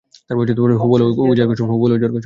হুবল ও উযার কসম।